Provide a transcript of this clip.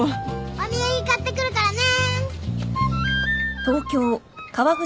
お土産買ってくるからね。